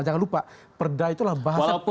jangan lupa perda itulah bahasa